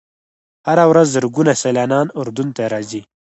هره ورځ زرګونه سیلانیان اردن ته راځي.